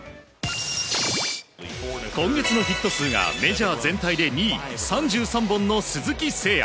今月のヒット数がメジャー全体で２位３３本の鈴木誠也。